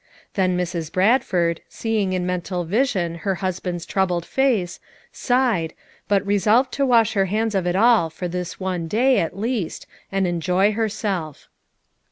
Then Mrs. Bradford, seeing in mental vision her hus band's troubled face, sighed, but resolved to wash her hands of it all for this one day, at least, and enjoy herself.